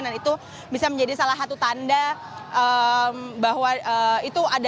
dan itu bisa menjadi salah satu tanda bahwa itu ada